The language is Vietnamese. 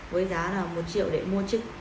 với giá là một triệu để mua chiếc